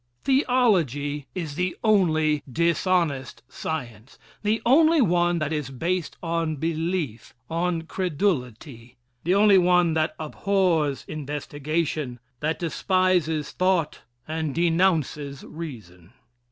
Theology is the only dishonest science the only one that is based on belief on credulity, the only one that abhors investigation, that despises thought and denounces reason.